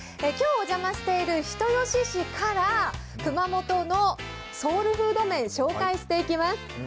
今日お邪魔している人吉市から熊本のソウルフード麺紹介していきます。